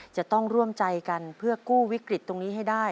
จะต้องร่วมใจกันเพื่อกู้วิกฤตตรงนี้ให้ได้